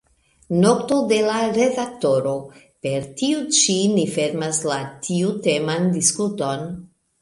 Noto de la redaktoro: Per tiu ĉi ni fermas la tiuteman diskuton.